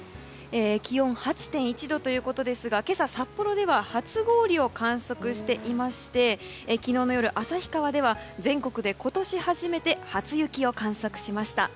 気温８．１度ということですが今朝、札幌では初氷を観測していまして昨日の夜、旭川では全国で今年初めて初雪を観測しました。